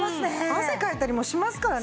汗かいたりもしますからね。